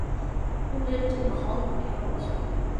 He lived in the Hollywood Hills.